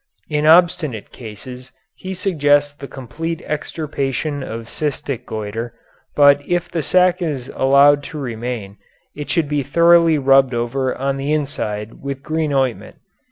In obstinate cases he suggests the complete extirpation of cystic goitre, but if the sac is allowed to remain it should be thoroughly rubbed over on the inside with green ointment.